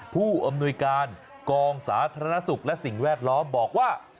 ผู้อำนวยการกองสาธารณสุขและสิ่งแวดล้อมบอกว่า